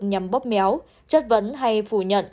nhằm bóp méo chất vấn hay phủ nhận